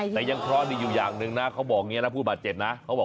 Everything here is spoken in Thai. แต่ยังพร้อดหนิอยู่อย่างนึงนะขึ้นแบบพูดบัตรเจ็บนะ